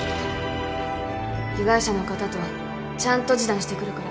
被害者の方とちゃんと示談してくるから